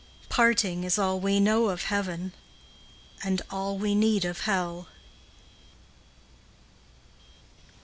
Parting is all we know of heaven, And all we need of hell. XIV.